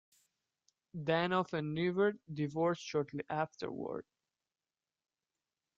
Danoff and Nivert divorced shortly afterward.